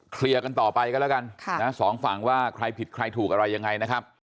เคลียร์กันต่อไปกันแล้วกันสองฝั่งว่าใครผิดใครถูกอะไรยังไงนะครับ